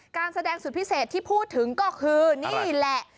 การแสดงสุดพิเศษที่พูดถึงก็คือนี่แหละ